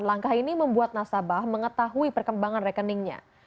langkah ini membuat nasabah mengetahui perkembangan rekeningnya